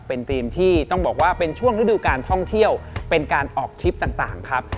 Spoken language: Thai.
เป็นทีมที่ต้องบอกว่าเป็นช่วงฤดูการท่องเที่ยวเป็นการออกทริปต่างครับ